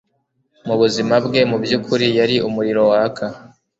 mubuzima bwe mubyukuri yari umuriro waka.